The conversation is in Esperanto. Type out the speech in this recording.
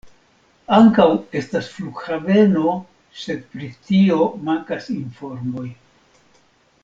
Ankaŭ estas flughaveno, sed pri tio mankas informoj.